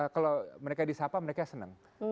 kalau mereka disapa mereka senang